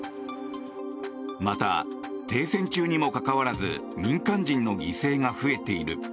また、停戦中にもかかわらず民間人の犠牲が増えている。